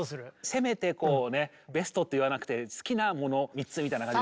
せめてこうねベストって言わなくて好きなもの３つみたいな感じで。